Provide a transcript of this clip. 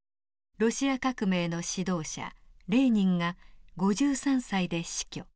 ロシア革命の指導者レーニンが５３歳で死去。